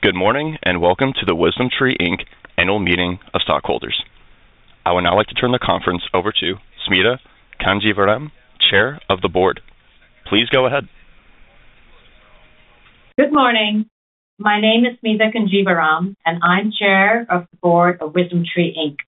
Good morning. Welcome to the WisdomTree, Inc. Annual Meeting of Stockholders. I would now like to turn the conference over to Smita Conjeevaram, Chair of the Board. Please go ahead. Good morning. My name is Smita Conjeevaram, and I'm Chair of the Board of WisdomTree, Inc.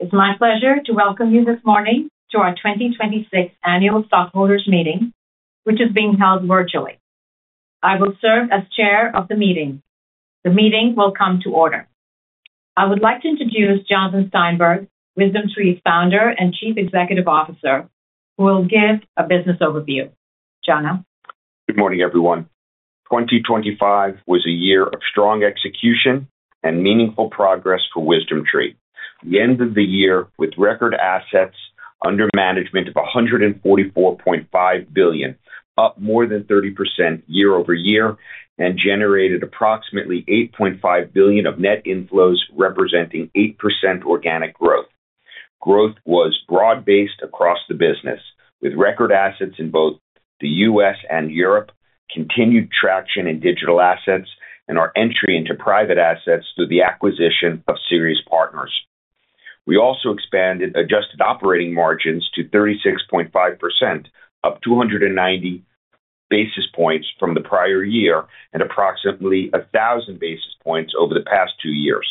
It's my pleasure to welcome you this morning to our 2026 Annual Stockholders' Meeting, which is being held virtually. I will serve as chair of the meeting. The meeting will come to order. I would like to introduce Jonathan Steinberg, WisdomTree's Founder and Chief Executive Officer, who will give a business overview. Jono. Good morning, everyone. 2025 was a year of strong execution and meaningful progress for WisdomTree. We end of the year with record assets under management of $144.5 billion, up more than 30% year-over-year, and generated approximately $8.5 billion of net inflows, representing 8% organic growth. Growth was broad-based across the business, with record assets in both the U.S. and Europe, continued traction in digital assets, and our entry into private assets through the acquisition of Ceres Partners. We also expanded adjusted operating margins to 36.5%, up 290 basis points from the prior year and approximately 1,000 basis points over the past two years.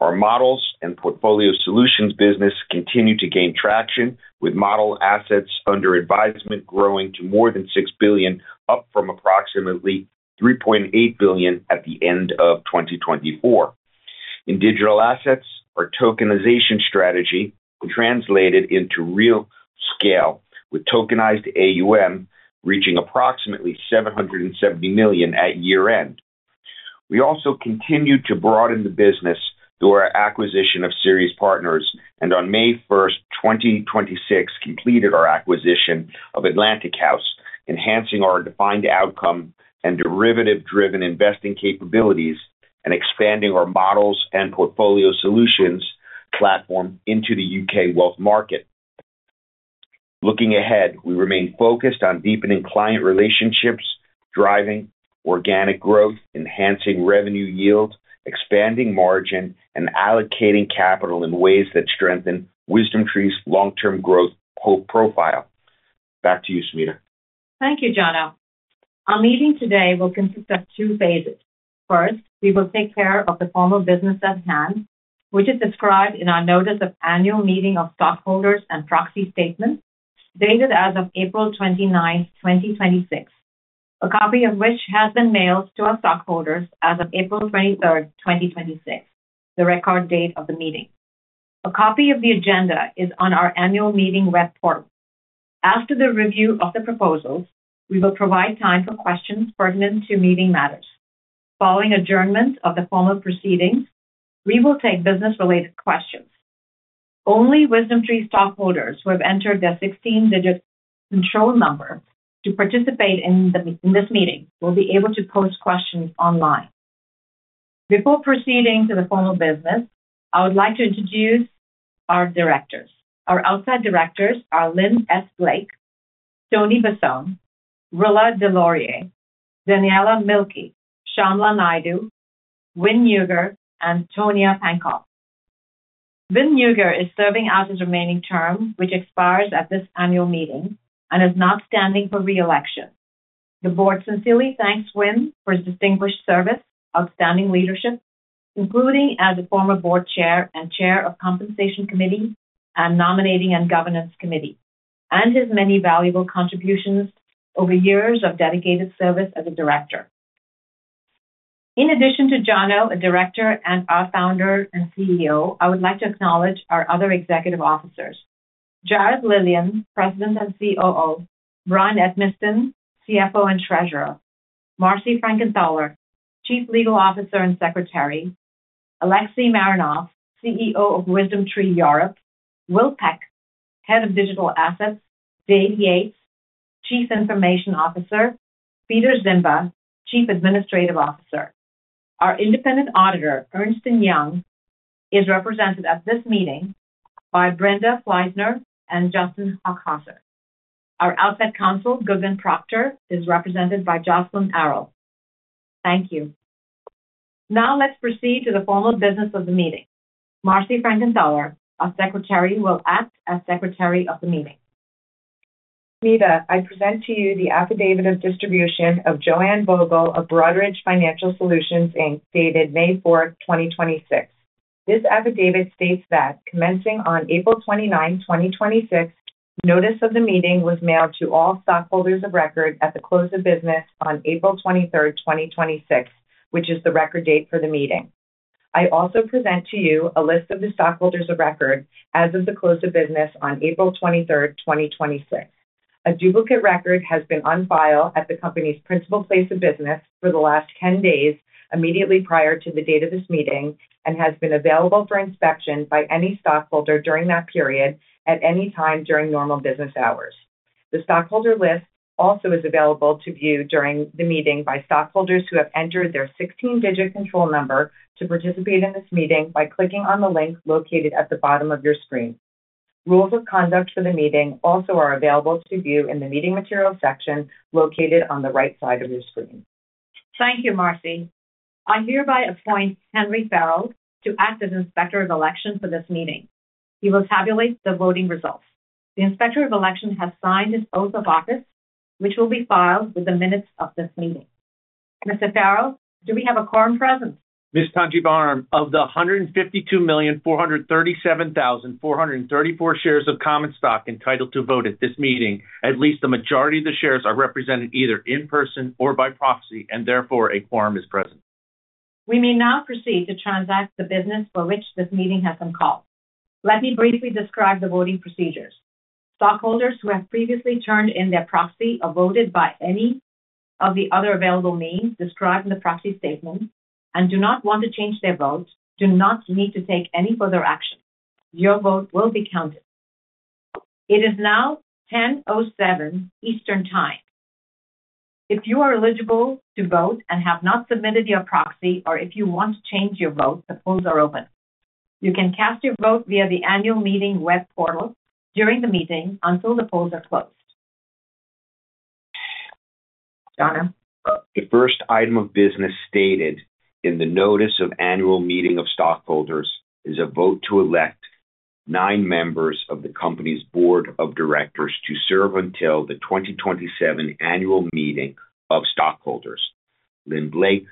Our models and portfolio solutions business continued to gain traction, with model assets under advisement growing to more than $6 billion, up from approximately $3.8 billion at the end of 2024. In digital assets, our tokenization strategy translated into real scale, with tokenized AUM reaching approximately $770 million at year-end. We also continued to broaden the business through our acquisition of Ceres Partners and on May 1st, 2026, completed our acquisition of Atlantic House, enhancing our defined outcome and derivative-driven investing capabilities and expanding our models and portfolio solutions platform into the U.K. wealth market. Looking ahead, we remain focused on deepening client relationships, driving organic growth, enhancing revenue yield, expanding margin, and allocating capital in ways that strengthen WisdomTree's long-term growth profile. Back to you, Smita. Thank you, Jono. Our meeting today will consist of two phases. First, we will take care of the formal business at hand, which is described in our Notice of Annual Meeting of Stockholders and Proxy Statement, dated as of April 29th, 2026, a copy of which has been mailed to our stockholders as of April 23rd, 2026, the record date of the meeting. A copy of the agenda is on our annual meeting web portal. After the review of the proposals, we will provide time for questions pertinent to meeting matters. Following adjournment of the formal proceedings, we will take business-related questions. Only WisdomTree stockholders who have entered their 16-digit control number to participate in this meeting will be able to pose questions online. Before proceeding to the formal business, I would like to introduce our directors. Our outside directors are Lynn S. Blake, Anthony Bossone, Rilla Delorier, Daniela Mielke, Shamla Naidoo, Win Neuger, and Tonia Pankopf. Win Neuger is serving out his remaining term, which expires at this annual meeting and is not standing for re-election. The board sincerely thanks Win for his distinguished service, outstanding leadership, including as a former board chair and chair of Compensation Committee and Nominating and Governance Committee, and his many valuable contributions over years of dedicated service as a director. In addition to Jono, a director and our founder and CEO, I would like to acknowledge our other executive officers. Jarrett Lilien, President and COO, Bryan Edmiston, CFO and Treasurer, Marci Frankenthaler, Chief Legal Officer and Secretary, Alexis Marinof, CEO of WisdomTree Europe, Will Peck, Head of Digital Assets, David Yates, Chief Information Officer, Peter Ziemba, Chief Administrative Officer. Our independent auditor, Ernst & Young, is represented at this meeting by Brenda Fleissner and Justin Chasar. Our outside counsel, Goodwin Procter, is represented by Jocelyn Arel. Thank you. Let's proceed to the formal business of the meeting. Marci Frankenthaler, our Secretary, will act as Secretary of the meeting. Smita, I present to you the affidavit of distribution of Joanne Vogel of Broadridge Financial Solutions, Inc., dated May 4th, 2026. This affidavit states that commencing on April 29th, 2026, notice of the meeting was mailed to all stockholders of record at the close of business on April 23rd, 2026, which is the record date for the meeting. I also present to you a list of the stockholders of record as of the close of business on April 23rd, 2026. A duplicate record has been on file at the company's principal place of business for the last 10 days immediately prior to the date of this meeting and has been available for inspection by any stockholder during that period at any time during normal business hours. The stockholder list also is available to view during the meeting by stockholders who have entered their 16-digit control number to participate in this meeting by clicking on the link located at the bottom of your screen. Rules of conduct for the meeting also are available to view in the meeting materials section located on the right side of your screen. Thank you, Marci. I hereby appoint Henry Farrell to act as Inspector of Election for this meeting. He will tabulate the voting results. The Inspector of Election has signed his oath of office, which will be filed with the minutes of this meeting. Mr. Farrell, do we have a quorum present? Ms. Conjeevaram, of the 152,437,434 shares of common stock entitled to vote at this meeting, at least a majority of the shares are represented either in person or by proxy, and therefore a quorum is present. We may now proceed to transact the business for which this meeting has been called. Let me briefly describe the voting procedures. Stockholders who have previously turned in their proxy or voted by any of the other available means described in the proxy statement and do not want to change their vote do not need to take any further action. Your vote will be counted. It is now 10:07 Eastern Time. If you are eligible to vote and have not submitted your proxy, or if you want to change your vote, the polls are open. You can cast your vote via the annual meeting web portal during the meeting until the polls are closed. Jonathan. The first item of business stated in the notice of annual meeting of stockholders is a vote to elect nine members of the company's board of directors to serve until the 2027 annual meeting of stockholders. Lynn Blake,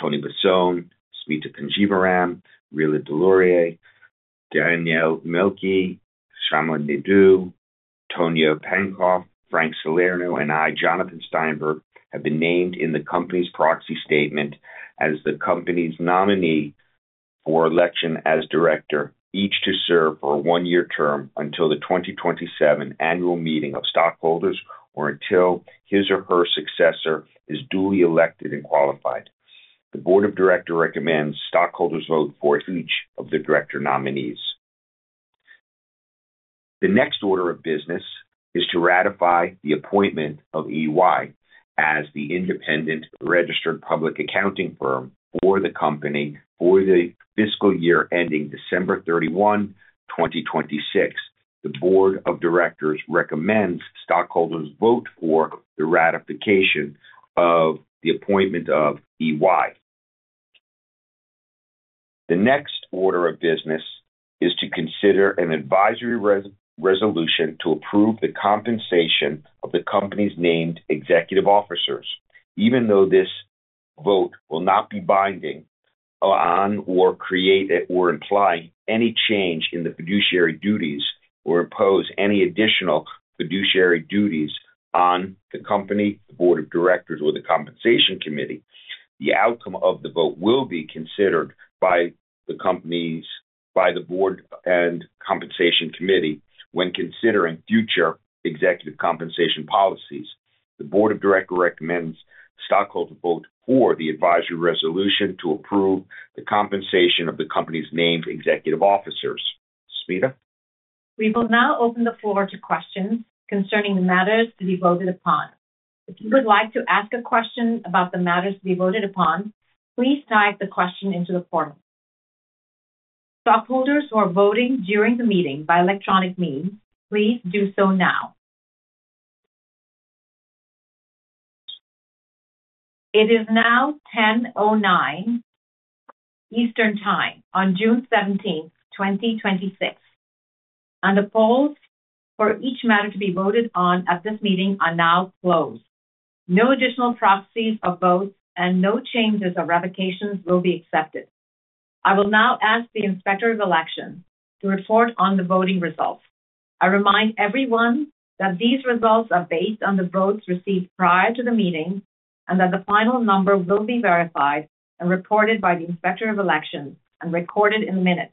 Tony Bossone, Smita Conjeevaram, Rilla Delorier, Daniela Mielke, Shamla Naidoo, Tonia Pankopf, Frank Salerno, and I, Jonathan Steinberg, have been named in the company's proxy statement as the company's nominee for election as director, each to serve for a one-year term until the 2027 annual meeting of stockholders or until his or her successor is duly elected and qualified. The board of directors recommends stockholders vote for each of the director nominees. The next order of business is to ratify the appointment of Ernst & Young as the independent registered public accounting firm for the company for the fiscal year ending December 31, 2026. The board of directors recommends stockholders vote for the ratification of the appointment of Ernst & Young. The next order of business is to consider an advisory resolution to approve the compensation of the company's named executive officers. Even though this vote will not be binding on, or create or imply any change in the fiduciary duties, or impose any additional fiduciary duties on the company, the board of directors, or the compensation committee, the outcome of the vote will be considered by the board and compensation committee when considering future executive compensation policies. The board of directors recommends stockholders vote for the advisory resolution to approve the compensation of the company's named executive officers. Smita. We will now open the floor to questions concerning the matters to be voted upon. If you would like to ask a question about the matters to be voted upon, please type the question into the portal. Stockholders who are voting during the meeting by electronic means, please do so now. It is now 10:09 Eastern Time on June 17th, 2026, and the polls for each matter to be voted on at this meeting are now closed. No additional proxies of votes and no changes or revocations will be accepted. I will now ask the Inspector of Election to report on the voting results. I remind everyone that these results are based on the votes received prior to the meeting and that the final number will be verified and reported by the Inspector of Election and recorded in the minutes.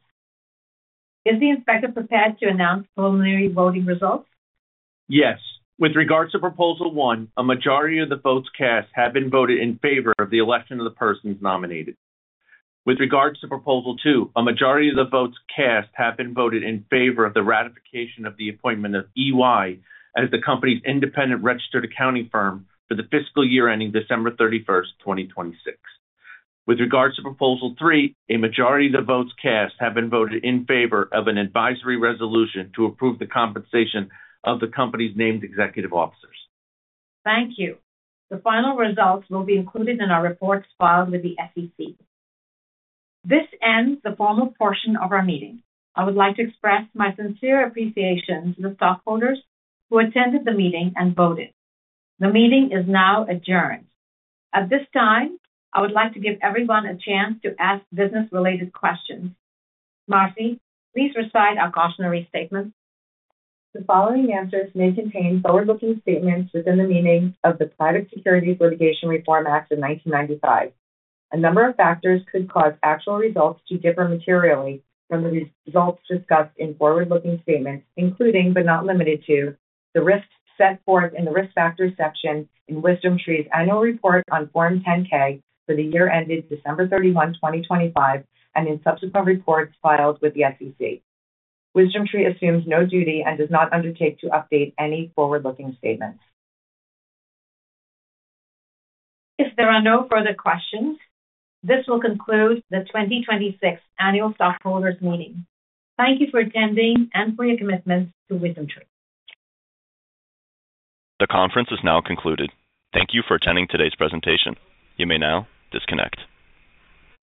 Is the inspector prepared to announce preliminary voting results? Yes. With regards to Proposal 1, a majority of the votes cast have been voted in favor of the election of the persons nominated. With regards to Proposal 2, a majority of the votes cast have been voted in favor of the ratification of the appointment of Ernst & Young as the company's independent registered accounting firm for the fiscal year ending December 31st, 2026. With regards to Proposal 3, a majority of the votes cast have been voted in favor of an advisory resolution to approve the compensation of the company's named executive officers. Thank you. The final results will be included in our reports filed with the SEC. This ends the formal portion of our meeting. I would like to express my sincere appreciation to the stockholders who attended the meeting and voted. The meeting is now adjourned. At this time, I would like to give everyone a chance to ask business-related questions. Marci, please recite our cautionary statement. The following answers may contain forward-looking statements within the meaning of the Private Securities Litigation Reform Act of 1995. A number of factors could cause actual results to differ materially from the results discussed in forward-looking statements, including but not limited to, the risks set forth in the Risk Factors section in WisdomTree's annual report on Form 10-K for the year ended December 31, 2025, and in subsequent reports filed with the SEC. WisdomTree assumes no duty and does not undertake to update any forward-looking statements. If there are no further questions, this will conclude the 2026 annual stockholders meeting. Thank you for attending and for your commitment to WisdomTree. The conference is now concluded. Thank you for attending today's presentation. You may now disconnect.